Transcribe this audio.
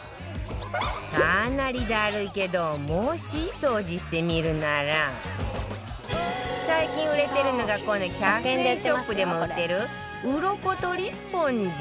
かなりダルいけどもし掃除してみるなら最近売れてるのがこの１００円ショップでも売ってるウロコとりスポンジ